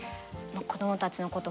子どもたちのこと